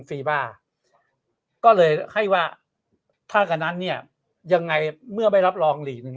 ฟีบ้าก็เลยให้ว่าถ้ากันนั้นเนี่ยยังไงเมื่อไม่รับรองหลีกหนึ่ง